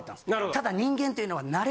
ただ人間っていうのは。